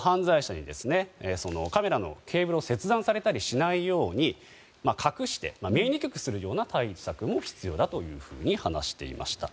犯罪者に、カメラのケーブルを切断されたりしないように隠して、見えにくくする対策も必要だと話していました。